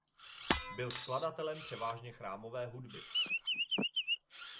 Byl skladatelem převážně chrámové hudby.